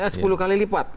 sepuluh kali lipat